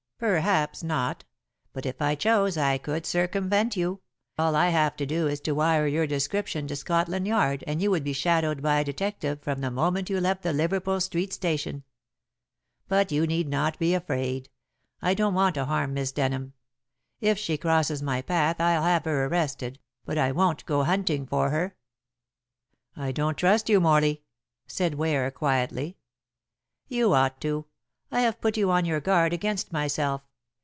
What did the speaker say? "Perhaps not. But if I chose I could circumvent you. All I have to do is to wire your description to Scotland Yard and you would be shadowed by a detective from the moment you left the Liverpool Street Station. But you need not be afraid. I don't want to harm Miss Denham. If she crosses my path I'll have her arrested, but I won't go hunting for her." "I don't trust you, Morley," said Ware quietly. "You ought to. I have put you on your guard against myself.